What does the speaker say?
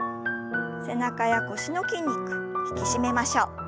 背中や腰の筋肉引き締めましょう。